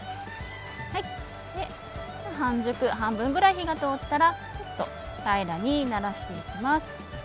半熟半分ぐらい火が通ったらちょっと平らにならしていきます。